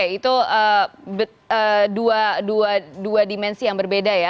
itu dua dimensi yang berbeda ya